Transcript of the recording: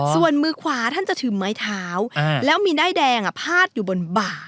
ส่วนมือขวาท่านจะถือไม้เท้าแล้วมีด้ายแดงพาดอยู่บนบ่า